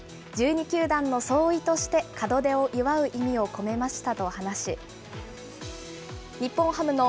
１２球団の総意として門出を祝う意味を込めましたと話し、日本ハムの